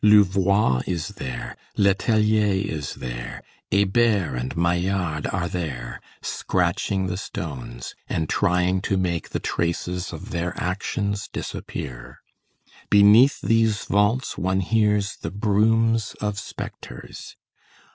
Louvois is there, Letellier is there, Hébert and Maillard are there, scratching the stones, and trying to make the traces of their actions disappear. Beneath these vaults one hears the brooms of spectres.